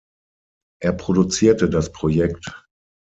Er produzierte das Projekt.